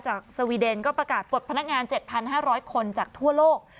สวีเดนก็ประกาศปลดพนักงาน๗๕๐๐คนจากทั่วโลก